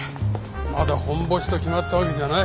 まだホンボシと決まったわけじゃない。